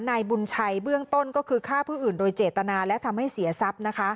นายบุญชัยเบื้องต้นก็คือฆ่าผู้อื่นโดยเจตนาและทำให้เสียทรัพย์